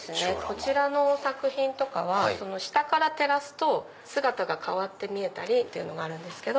こちらの作品とかは下から照らすと姿が変わって見えたりっていうのがあるんですけど。